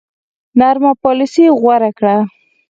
نرمه پالیسي غوره کړه.